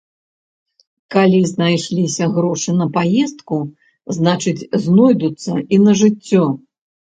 Калі знайшліся грошы на паездку, значыць, знойдуцца і на жыццё.